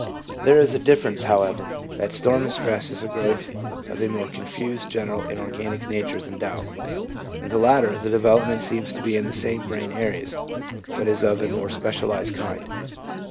There is this difference, however, that storm and stress is a growth of a more confused, general, and organic nature than doubt ; in the latter the development seems to be in the same brain areas, but is of a more specialised kind.